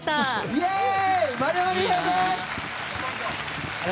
イエーイ！